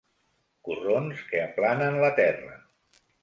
Corrons que aplanen la terra.